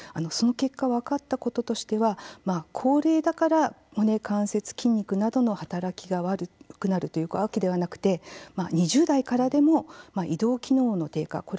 その結果、分かったこととしては高齢だから骨、関節、筋肉などの働きが悪くなるというわけではなくて２０代からでも移動機能の低下